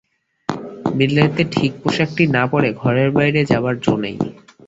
বিলেতে ঠিক ঠিক পোষাকটি না পরে ঘরের বাইরে যাবার যো নেই।